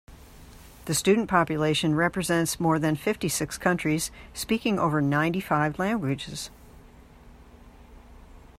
The student population represents more than fifty-six countries speaking over ninety-five languages.